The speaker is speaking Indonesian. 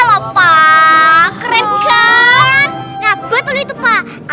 halabah tadi itu yang nangkep copetnya itu ikhtialah pak